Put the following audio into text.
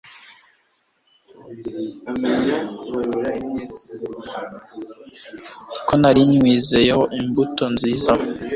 ko nari nywizeyeho imbuto nziza